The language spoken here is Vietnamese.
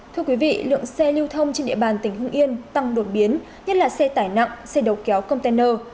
thưa quý vị lượng xe lưu thông trên địa bàn tỉnh hưng yên tăng đột biến nhất là xe tải nặng xe đầu kéo container